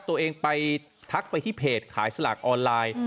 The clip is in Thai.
ตัวเองไปทักไปที่เพจขายสลากออนไลน์